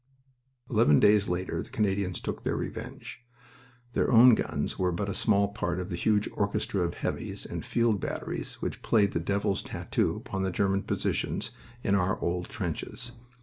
Eleven days later the Canadians took their revenge. Their own guns were but a small part of the huge orchestra of "heavies" and field batteries which played the devil's tattoo upon the German positions in our old trenches.